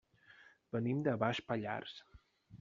Venim de Baix Pallars.